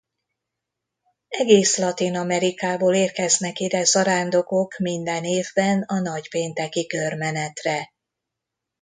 Egész Latin-Amerikából érkeznek ide zarándokok minden évben a nagypénteki körmenetre.